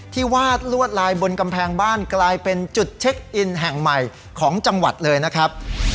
วาดลวดลายบนกำแพงบ้านกลายเป็นจุดเช็คอินแห่งใหม่ของจังหวัดเลยนะครับ